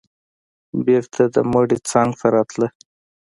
بېرته د مړي څنگ ته راتله.